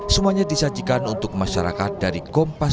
semuanya disajikan untuk masyarakat dari kompas